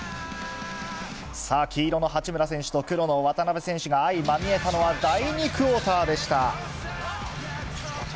さあ、黄色の八村選手と黒の渡邊選手が相まみえたのは第２クオーターでした。